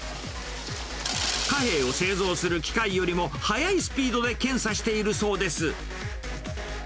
貨幣を製造する機械よりも速いスピードで検査しているそうです。